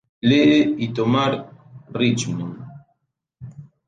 Lee y tomar Richmond.